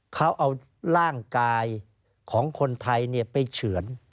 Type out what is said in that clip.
เขาเอาร่างกายของคนไทยไปเฉือน